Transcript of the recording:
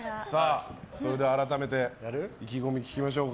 それでは改めて意気込みを聞きましょうか。